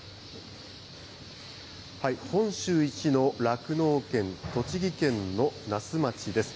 本州一の酪農県、栃木県の那須町です。